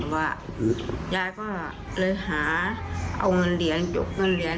ว่ายายก็เลยหาเอาเงินเหรียญยกเงินเหรียญ